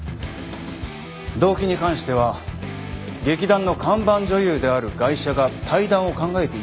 動機に関しては劇団の看板女優であるガイシャが退団を考えていたという事実。